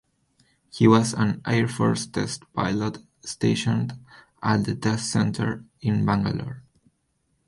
He was an Air Force test pilot stationed at the test center in Bangalore.